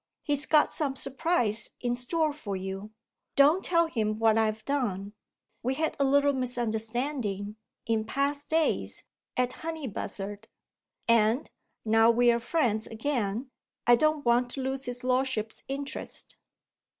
He's got some surprise in store for you. Don't tell him what I've done! We had a little misunderstanding, in past days, at Honeybuzzard and, now we are friends again, I don't want to lose his lordship's interest."